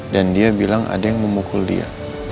dan dia bilang ada yang memukul dia